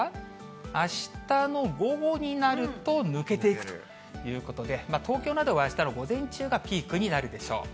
あしたの午後になると抜けていくということで、東京などはあしたの午前中がピークになるでしょう。